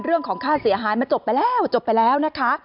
เรื่องของค่าเสียหายมันจบไปแล้วจบไปแล้วนะคะ